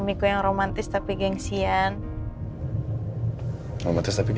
ya biar kelihatan romantis aja sebagai pasangan suami ya